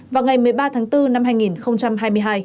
vào ngày một mươi ba tháng bốn năm hai nghìn hai mươi hai